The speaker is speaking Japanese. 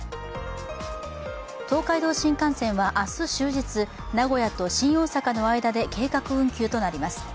東海道新幹線は明日終日、名古屋と新大阪の間で計画運休となります。